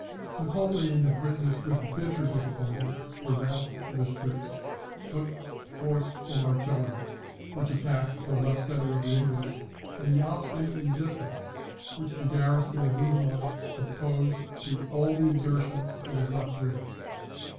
] Napoleon had witnessed with bitter disappointment the rout of his troops, foot, horse, and artillery, which attacked the left centre of the English, and the obstinate resistance which the garrison of Hougoumont opposed to all the exertions of his left wing.